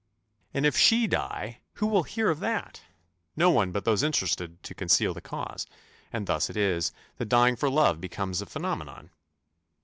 "And if she die, who will hear of that? No one but those interested to conceal the cause: and thus it is, that dying for love becomes a phenomenon."